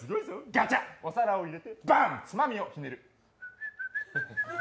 ガチャ、お皿を入れてばーん、つまみをひねる。